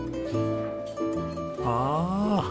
ああ。